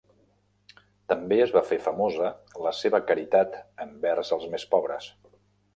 També es va fer famosa la seva caritat envers els més pobres.